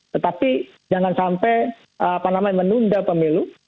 tetapi jangan sampai menunda pemilu